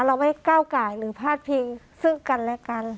เราไม่ก้าวไก่หรือพาดพิงซึ่งกันและกัน